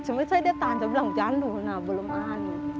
cuma saya datang dia bilang jandul nah belum ada